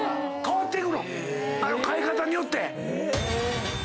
変わってくの⁉飼い方によって！